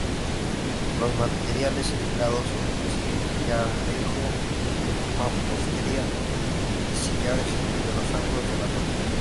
Los materiales empleados son sillarejo, mampostería y sillares el los ángulos de la torre.